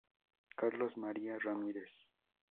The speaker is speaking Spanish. Carlos María Ramírez.